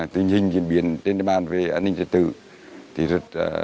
tình hình diễn biến trên địa bàn về an ninh chính trị